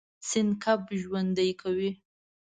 سیند کب ژوندی کوي.